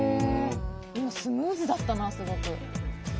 でもスムーズだったなすごく。